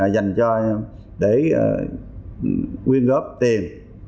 dành để nguyên góp tiền